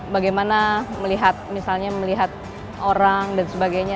bagaimana melihat misalnya melihat orang dan sebagainya